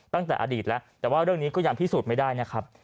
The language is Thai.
ตั้งแต่อดีตแล้วแต่ว่าเรื่องนี้ก็ยังพิสูจน์ไม่ได้นะครับ